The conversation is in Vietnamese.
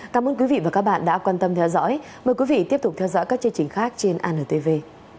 cảm ơn các bạn đã theo dõi và hẹn gặp lại